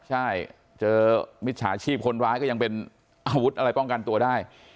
ใช่เจอมิจฉาชีพคนร้ายก็ยังเป็นอาวุธอะไรป้องกันตัวได้